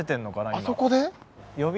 あそこで？